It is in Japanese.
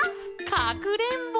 かくれんぼ！